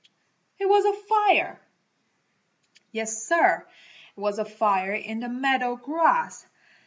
It was a fire! Yes, Sir, it was a fire in the meadow grass!